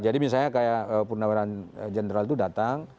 jadi misalnya kayak purnawira general itu datang